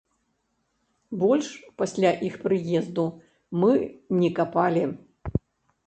Больш пасля іх прыезду мы не капалі.